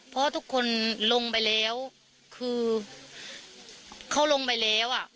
เพราะทุกคนลงไปแล้วคือเขาลงไปแล้วอ่ะ